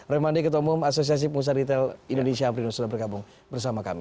ramadhan dekatomum asosiasi pengusaha retail indonesia amprinus sudah berkabung bersama kami